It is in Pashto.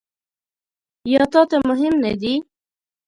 یا تا ته مهم نه دي ؟